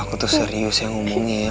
aku tuh serius ya ngomongnya ya